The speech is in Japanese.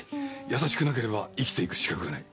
優しくなければ生きていく資格がない。